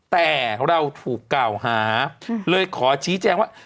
แต่เราถูกกล่าวหาเลยขอชี้แจงว่า